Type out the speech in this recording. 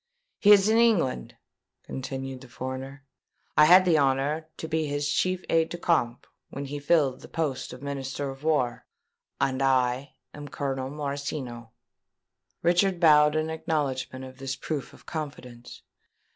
"He is in England," continued the foreigner. "I had the honour to be his chief aide de camp, when he filled the post of Minister of War; and I am Colonel Morosino." Richard bowed an acknowledgment of this proof of confidence.